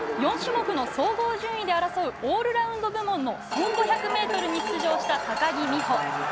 ４種目の総合順位で争うオールラウンド部門の１５００ｍに出場した高木美帆。